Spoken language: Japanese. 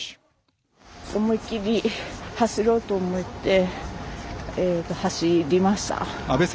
思いきり走ろうと思って走りました。